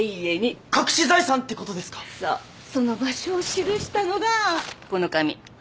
その場所を記したのがこの紙。